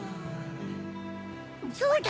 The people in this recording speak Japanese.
そうだ！